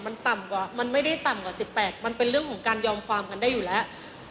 มันต่ำกว่ามันไม่ได้ต่ำกว่า๑๘มันเป็นเรื่องของการยอมความกันได้อยู่แล้ว